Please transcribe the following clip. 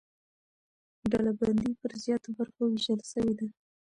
ډلبندي پر زیاتو برخو وېشل سوې ده.